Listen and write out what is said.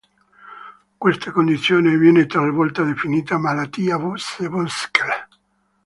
Questa condizione viene talvolta definita "malattia Busse-Buschke".